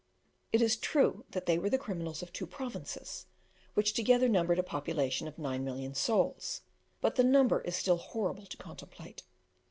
It is true that they were the criminals of two provinces, which together numbered a population of 9,000,000 souls, but the number is still horrible to contemplate.